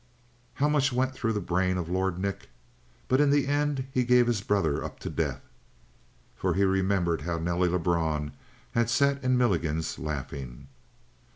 How much went through the brain of Lord Nick? But in the end he gave his brother up to death. For he remembered how Nelly Lebrun had sat in Milligan's laughing.